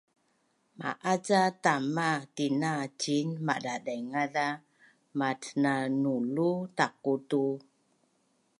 maaca tama tina ciin madadaingaz a matnanulu taqu tu